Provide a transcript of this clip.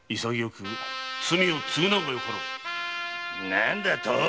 何だと！